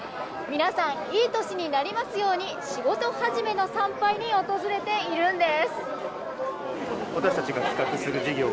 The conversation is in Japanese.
皆さん、いい年になりますように仕事始めの参拝に訪れているんです。